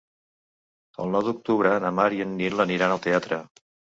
El nou d'octubre na Mar i en Nil aniran al teatre.